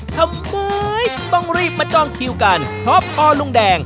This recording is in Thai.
ทำไมต้องรีบมาจองคิวกันเพราะพอลุงแดง